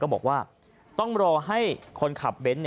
บอกว่าต้องรอให้คนขับเบนท์